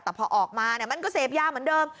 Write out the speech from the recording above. แต่พอออกมามันก็เสพยาเหมือนเดิม